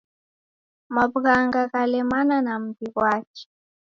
Maw'ughanga ghalemana na mbi ghwake.